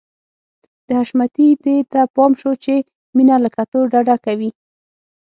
د حشمتي دې ته پام شو چې مينه له کتو ډډه کوي.